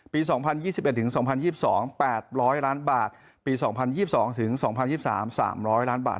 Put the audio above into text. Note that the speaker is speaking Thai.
๒๐๒๑๒๐๒๒๘๐๐ล้านบาทปี๒๐๒๒๒๐๒๓๓๐๐ล้านบาท